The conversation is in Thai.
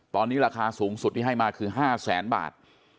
ตอนนี้ราคาสูงสุดที่ให้มาคือ๕แสนบาท